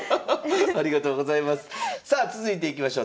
ありがとうございます。